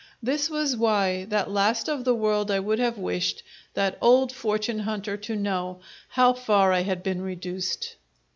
This was why that last of all the world I would have wished that old fortune hunter to know how far I had been reduced!